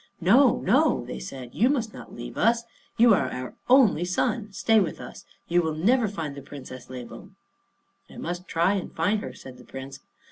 "No, no," they said, "you must not leave us. You are our only son. Stay with us. You will never find the Princess Labam." "I must try and find her," said the Prince.